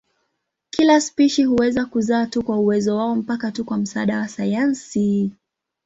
Kila spishi huweza kuzaa tu kwa uwezo wao mpaka tu kwa msaada wa sayansi.